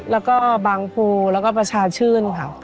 แล้วก็บางภูแล้วก็ประชาชื่นค่ะ